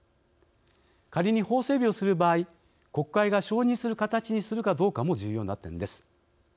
仮に法整備をする場合国会が承認する形にするかどうかも重要な点です。